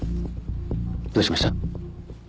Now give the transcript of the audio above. どうしました？